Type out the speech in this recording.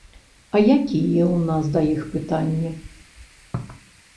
А якія ў нас да іх пытанні?